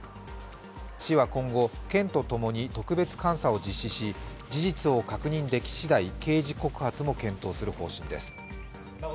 市は今後、県とともに特別監査を実施し事実を確認できしだい刑事告発も検討する方針です。